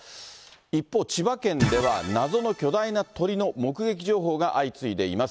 一方、千葉県では謎の巨大な鳥の目撃情報が相次いでいます。